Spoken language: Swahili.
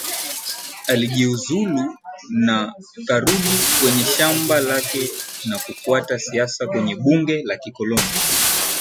Alijiuzulu na karudi kwenye shamba lake na kufuata siasa kwenye bunge la kikoloni